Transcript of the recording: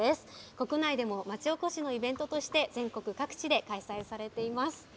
国内でも町おこしのイベントとして、全国各地で開催されています。